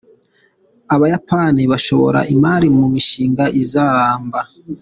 Abayapani bashora imari mu mishinga izaramba.